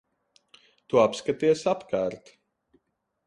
Tu apskaties apkārt.